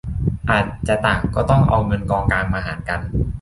อาจจะต่างก็ต้องเอาเงินกองกลางมาหารกัน